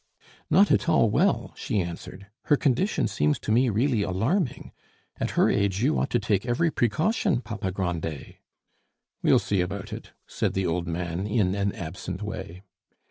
"Not at all well," she answered; "her condition seems to me really alarming. At her age you ought to take every precaution, Papa Grandet." "We'll see about it," said the old man in an absent way.